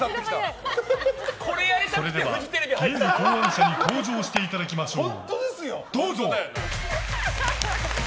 それではゲーム考案者に登場していただきましょう。